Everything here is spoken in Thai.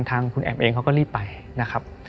ทางคุณแอมเองเขาก็รีบไปนะครับ